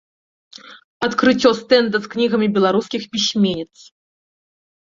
Адкрыццё стэнда з кнігамі беларускіх пісьменніц.